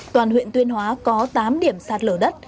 toàn huyện tuyên hóa có tám điểm sạt lở đất